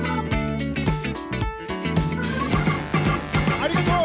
ありがとう。